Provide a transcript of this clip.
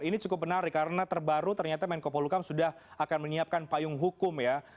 ini cukup menarik karena terbaru ternyata menko polukam sudah akan menyiapkan payung hukum ya